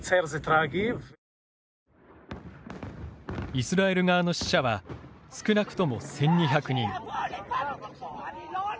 イスラエル側の死者は少なくとも１２００人。